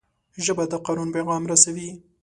ژبه د قانون پیغام رسوي